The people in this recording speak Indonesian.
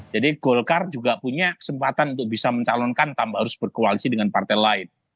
jadi golkar juga punya kesempatan untuk bisa mencalonkan tambah harus berkoalisi dengan partai lain